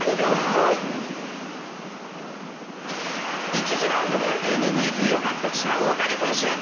１次ラウンドでＭＶＰを獲得した大谷選手。